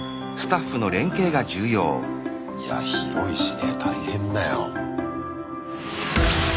いや広いしね大変だよ。